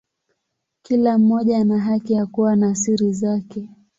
Kila mmoja ana haki ya kuwa na siri zake.